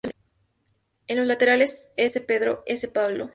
En los laterales S. Pedro y S. Pablo.